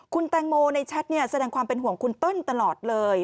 คุณแตงโมในแชทแสดงความเป็นห่วงคุณเติ้ลตลอดเลย